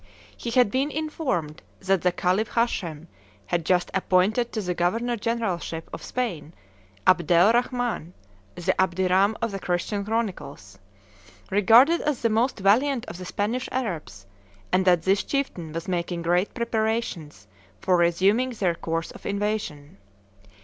He had been informed that the Khalif Hashem had just appointed to the governor generalship of Spain Abdel Rhaman (the Abderame of the Christian chronicles), regarded as the most valiant of the Spanish Arabs, and that this chieftain was making great preparations for resuming their course of invasion.